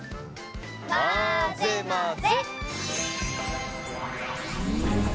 まぜまぜ！